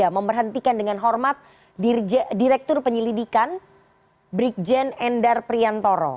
dua ribu dua puluh tiga memberhentikan dengan hormat direktur penyelidikan brikjen endar priyantara